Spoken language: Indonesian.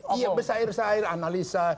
iya bersair sair analisa